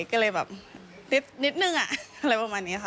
ก็เลยแบบนิดนึงอะไรประมาณนี้ค่ะ